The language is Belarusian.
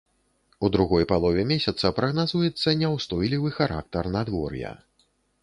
У другой палове месяца прагназуецца няўстойлівы характар надвор'я.